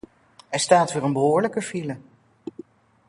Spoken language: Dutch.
Er staat weer een behoorlijke file.